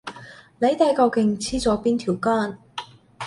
你哋究竟黐咗邊條筋？